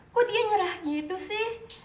kok dia nyerah gitu sih